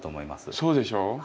そうでしょ？